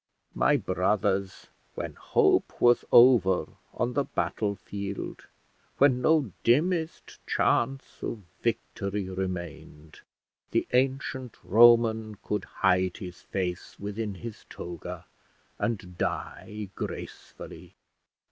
My brothers, when hope was over on the battle field, when no dimmest chance of victory remained, the ancient Roman could hide his face within his toga, and die gracefully.